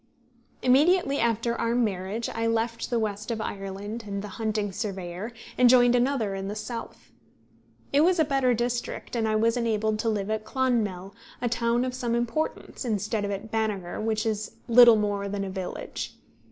Immediately after our marriage, I left the west of Ireland and the hunting surveyor, and joined another in the south. It was a better district, and I was enabled to live at Clonmel, a town of some importance, instead of at Banagher, which is little more than a village.